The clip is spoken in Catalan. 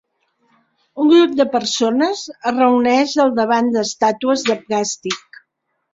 Un grup de persones es reuneix al davant d'estàtues de plàstic.